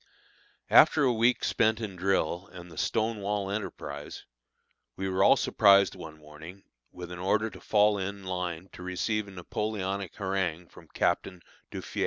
After a week spent in drill and the stone wall enterprise, we were all surprised one morning with an order to fall into line to receive a Napoleonic harangue from Captain Duffié.